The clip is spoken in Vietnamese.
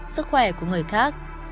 sức khỏe của người khác